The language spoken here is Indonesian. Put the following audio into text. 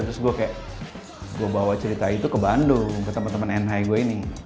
terus gue kayak gue bawa cerita itu ke bandung ke teman teman nhi gue ini